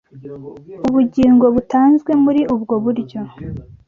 Ubugingo butanzwe muri ubwo buryo